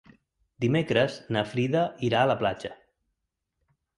Dimecres na Frida irà a la platja.